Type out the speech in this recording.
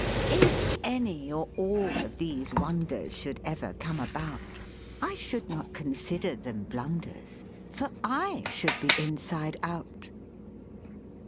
If any or all of these wonders Should ever come about, I should not consider them blunders, For I should be inside out!